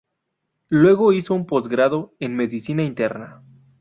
Luego hizo un post grado en Medicina Interna.